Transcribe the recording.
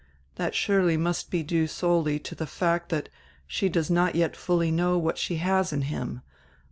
That surely must be due solely to die fact that she does not yet fully know what she has in him.